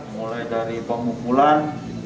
mulai dari pengumpulan